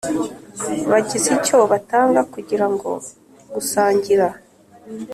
bagize icyo batanga kugira ngo gusangira